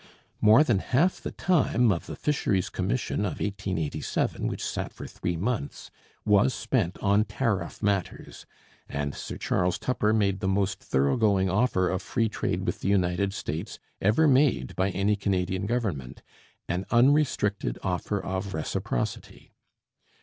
More than half the time of the Fisheries Commission of 1887, which sat for three months, was spent on tariff matters; and Sir Charles Tupper made the most thoroughgoing offer of free trade with the United States ever made by any Canadian Government 'an unrestricted offer of reciprocity.'